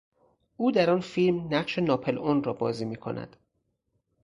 او در آن فیلم نقش ناپلئون را بازی میکند.